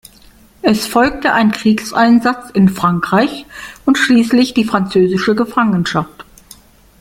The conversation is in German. Es folgte ein Kriegseinsatz in Frankreich und schließlich die französische Gefangenschaft.